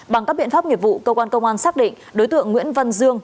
bằng các biện pháp nghiệp vụ công an công an xác định đối tượng nguyễn văn dương